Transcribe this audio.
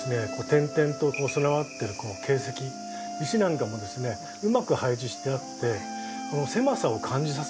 転々と備わってるこの景石石なんかもですねうまく配置してあって狭さを感じさせない。